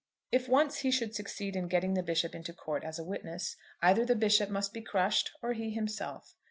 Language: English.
If once he should succeed in getting the Bishop into court as a witness, either the Bishop must be crushed or he himself.